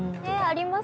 あります。